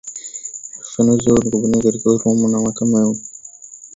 ufafanuzi huo ulikubalika na katiba ya roma ya mahakama ya kimataifa ya jinai